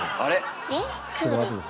ちょっと待って下さい。